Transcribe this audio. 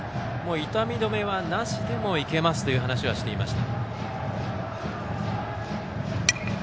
痛み止めはなしでもいけるという話はしていました。